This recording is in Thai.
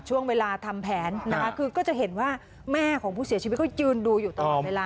ช่วงเวลาทำแผนนะคะคือก็จะเห็นว่าแม่ของผู้เสียชีวิตก็ยืนดูอยู่ตลอดเวลา